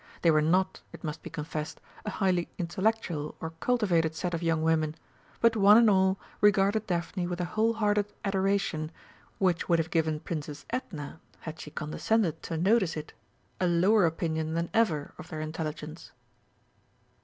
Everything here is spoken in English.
They were not, it must be confessed, a highly intellectual or cultivated set of young women, but one and all regarded Daphne with a whole hearted adoration which would have given Princess Edna, had she condescended to notice it, a lower opinion than ever of their intelligence.